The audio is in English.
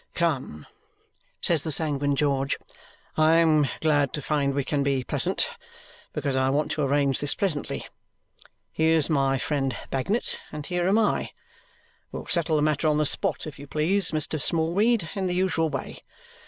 "Come!" says the sanguine George. "I am glad to find we can be pleasant, because I want to arrange this pleasantly. Here's my friend Bagnet, and here am I. We'll settle the matter on the spot, if you please, Mr. Smallweed, in the usual way.